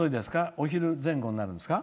お昼前後になるんですか。